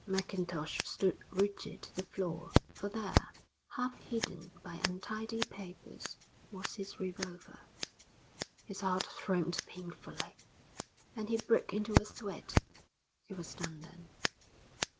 Mackintosh stood rooted to the floor, for there, half hidden by untidy papers, was his revolver. His heart throbbed painfully, and he broke into a sweat. It was done then.